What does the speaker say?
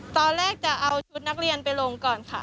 ตอนแรกจะเอาชุดนักเรียนไปลงก่อนค่ะ